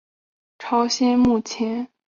朝鲜目前的执政党为朝鲜劳动党。